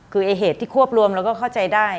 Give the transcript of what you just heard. คือไอ้เหตุที่ควบรวมเราก็เข้าใจได้